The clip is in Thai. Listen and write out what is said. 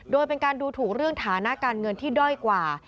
โดยเป็นการดูถูกเรื่องฐานะการเงินที่ด้อยกว่า